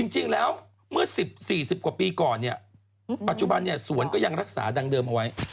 จริงแล้วเมื่อ๑๐๔๐กว่าปีก่อนเนี่ยปัจจุบันสวนก็ยังรักษาดังเดิมเอาไว้